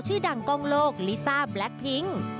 ชื่อดังกล้องโลกลิซ่าแบล็คพิ้ง